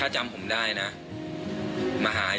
อันดับ๖๓๕จัดใช้วิจิตร